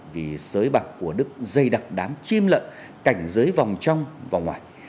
vì sới bạc của đức dày đặc đám chim lợn cảnh giới vòng trong vòng ngoài